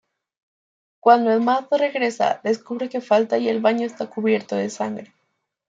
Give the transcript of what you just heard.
Cuando Emad regresa, descubre que falta y el baño está cubierto de sangre.